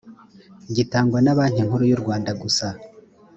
gitangwa na banki nkuru yurwanda gusa